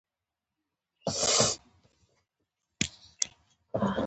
په شخصي موټرو کې یې کینولو او موټرو حرکت وکړ.